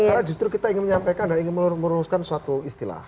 karena justru kita ingin menyampaikan dan ingin merumuskan suatu istilah